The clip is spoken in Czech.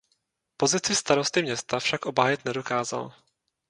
Pozici starosty města však obhájit nedokázal.